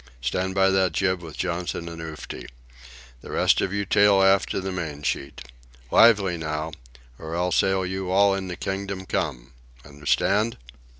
"Stand by that jib with Johnson and Oofty! The rest of you tail aft to the mainsheet! Lively now! or I'll sail you all into Kingdom Come! Understand?"